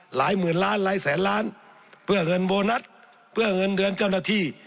หลายหมื่นล้านหลายแสนล้านเพื่อเงินโบนัสเพื่อเงินเดือนเจ้าหน้าที่